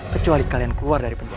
kecuali kalian keluar dari penjara